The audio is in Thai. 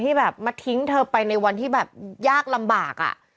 แบบมาทิ้งเธอไปในวันที่แบบยากลำบาก